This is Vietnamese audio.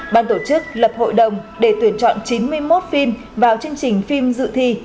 ban tổ chức lập hội đồng để tuyển chọn chín mươi một phim vào chương trình phim dự thi